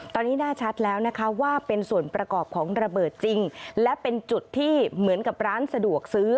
ตอนนี้แน่ชัดแล้วนะคะว่าเป็นส่วนประกอบของระเบิดจริงและเป็นจุดที่เหมือนกับร้านสะดวกซื้อ